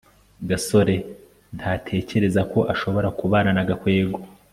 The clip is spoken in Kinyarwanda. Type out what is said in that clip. gasore ntatekereza ko ashobora kubana na gakwego